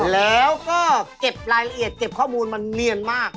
แล้วก็เก็บรายละเอียดเก็บข้อมูลมาเนียนมาก